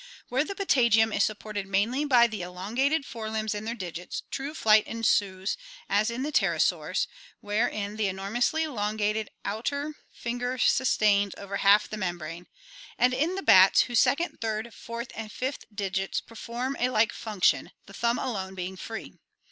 Where the patagium is supported mainly by the elongated fore limbs and their digits, true flight ensues as in the pterosaurs, wherein the enormously elongated outer finger sustains over half 35° ORGANIC EVOLUTION the membrane, and in the bats, whose second, third, fourth, and fifth digits perform a like function, the thumb alone being free.